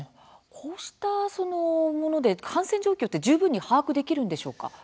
こうしたもので感染状況は十分把握できるんでしょうか。